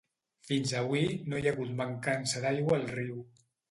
Fins avui, no hi ha hagut mancança d'aigua al riu.